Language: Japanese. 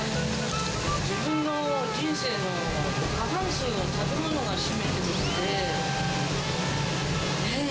自分の人生の過半数を食べ物が占めてるんで。